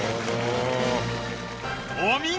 お見事！